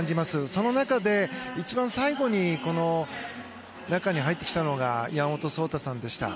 その中で一番最後にこの中に入ってきたのが山本草太さんでした。